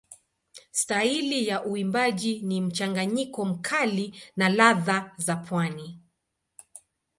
Staili ya uimbaji ni mchanganyiko mkali na ladha za pwani.